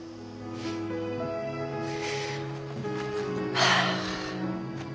はあ。